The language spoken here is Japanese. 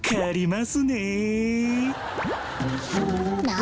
何？